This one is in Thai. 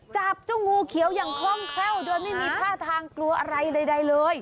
จับเจ้างูเขียวอย่างคล่องแคล่วโดยไม่มีท่าทางกลัวอะไรใดเลย